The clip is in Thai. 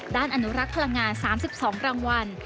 อนุรักษ์พลังงาน๓๒รางวัล